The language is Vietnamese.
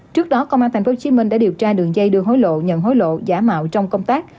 trước đó công an tp hcm đã điều tra đường dây đưa hối lộ nhận hối lộ giả mạo trong công tác